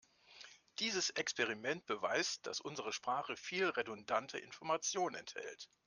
Dieses Experiment beweist, dass unsere Sprache viel redundante Information enthält.